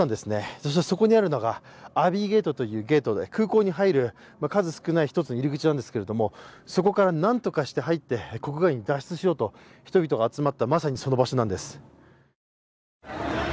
そしてそこにあるのがゲートで空港に入る数少ない１つの入り口なんですがそこからなんとかして入って国外に脱出しようと人々が集まったまさにその場所なんです。